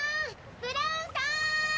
ブラウンさん！